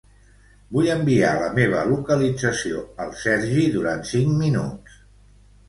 Vull enviar la meva localització al Sergi durant cinc minuts.